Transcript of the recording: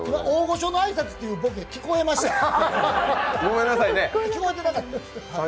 大御所の挨拶っていうボケ聞こえました？